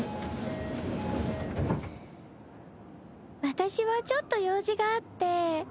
私はちょっと用事があって。